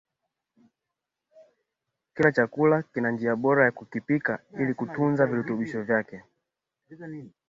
Kila chakula kina njia bora ya kukipika ili kutunza virutubishi vyake